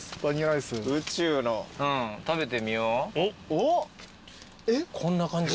おっこんな感じ。